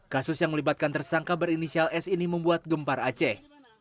kasus yang melibatkan tersangka berinisial s ini membuat gempar aceh